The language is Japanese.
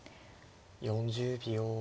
４０秒。